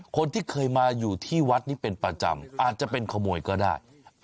คนที่เคยมาอยู่ที่วัดนี้เป็นประจำอาจจะเป็นขโมยก็ได้